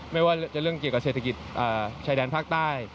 ไม่ว่าจะเรื่องเกี่ยวกับเศรษฐกิจชายแดนภาคใต้